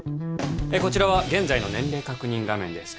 こちらは現在の年齢確認画面です